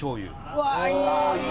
うわーいい！